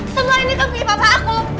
semua ini kemampuan aku